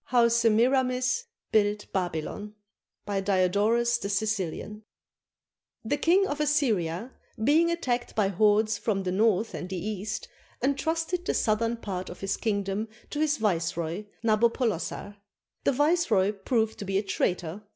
HOW SEMIRAMIS BUILT BABYLON BY DIODORUS THE SICILIAN [The King of Assyria, being attacked by hordes from the north and the east, entrusted the southern part of his king dom to his viceroy, Nabopolassar. The viceroy proved to be a traitor.